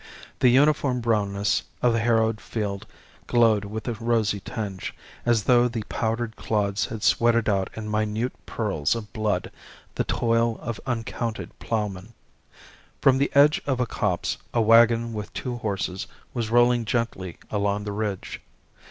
The uniform brownness of the harrowed field glowed with a rosy tinge, as though the powdered clods had sweated out in minute pearls of blood the toil of uncounted ploughmen. From the edge of a copse a waggon with two horses was rolling gently along the ridge.